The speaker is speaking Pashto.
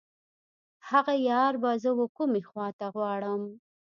هغه یار به زه و کومې خواته غواړم.